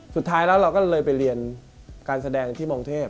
สุดท้ายแล้วเราก็เลยไปเรียนการแสดงที่เมืองเทพ